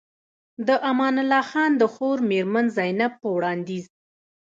د امان الله خان د خور مېرمن زينب په وړانديز